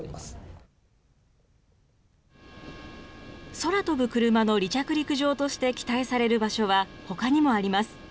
空飛ぶクルマの離着陸場として期待される場所はほかにもあります。